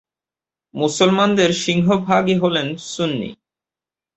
মুসলমানদের সিংহভাগই হলেন সুন্নি।